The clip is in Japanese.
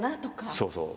そうそう。